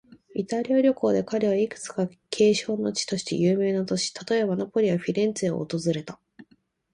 イタリア旅行で彼は、いくつか景勝の地として有名な都市、例えば、ナポリやフィレンツェを訪れた。